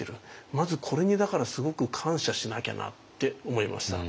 まずこれにだからすごく感謝しなきゃなって思いました。